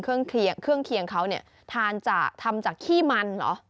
เครื่องเคียงเครื่องเคียงเขาเนี่ยทานจากทำจากขี้มันเหรอ